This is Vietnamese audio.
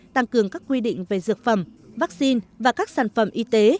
tăng cường các quy định về dược phẩm vaccine và các sản phẩm y tế